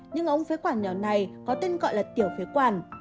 những ống phế quản nhỏ này có tên gọi là tiểu phế quản